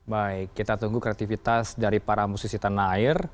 baik kita tunggu kreativitas dari para musisi tanah air